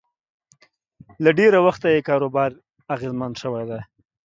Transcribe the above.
له ډېره وخته یې کاروبار اغېزمن شوی دی